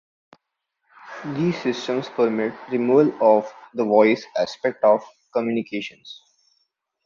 These systems permit removal of the voice aspect of communications.